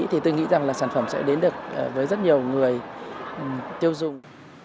thì tôi nghĩ rằng là sản phẩm sẽ đến được với rất nhiều người tiêu dùng